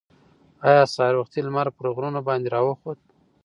ایا سهار وختي لمر پر غرونو باندې راوخوت؟